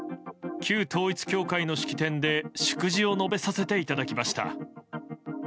旧統一教会の式典で祝辞を述べさせていただきました。